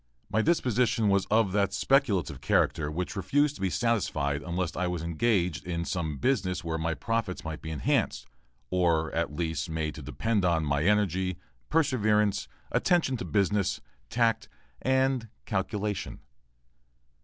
My disposition was of that speculative character which refused to be satisfied unless I was engaged in some business where my profits might be enhanced, or, at least, made to depend upon my energy, perseverance, attention to business, tact, and "calculation."